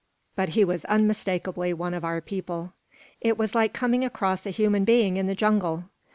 But he was unmistakably one of our people. It was like coming across a human being in the jungle.